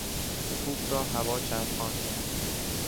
توپ را هوا چرخاند.